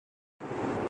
جہاں پہنچانی ہوں۔